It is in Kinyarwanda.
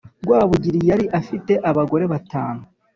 rwabugiri yari afite abagore batanu